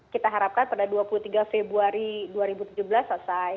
kita harapkan pada dua puluh tiga februari dua ribu tujuh belas selesai